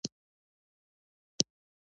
یوه نجلۍ د خپلې مور لپاره د ګلانو هار جوړ کړ.